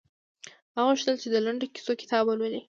هغه غوښتل چې د لنډو کیسو کتاب ولولي